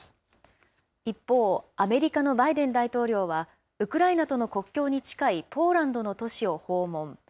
一方、アメリカのバイデン大統領はウクライナとの国境に近いポーランドの都市を訪問。